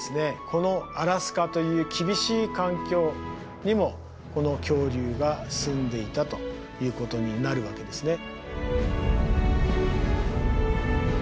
このアラスカという厳しい環境にもこの恐竜が住んでいたということになるわけですね。